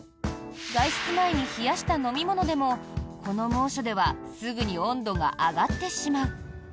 外出前に冷やした飲み物でもこの猛暑ではすぐに温度が上がってしまう。